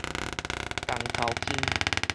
重頭輕